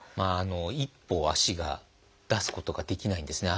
一歩足が出すことができないんですね。